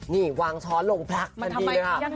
นี่วางช้อนลงพลักทันทีเลยค่ะ